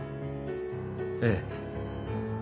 ええ。